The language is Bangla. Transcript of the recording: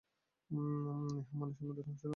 ইহা মানুষের মধ্যে রহস্যজনকভাবে প্রবেশ করে।